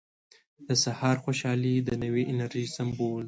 • د سهار خوشحالي د نوې انرژۍ سمبول دی.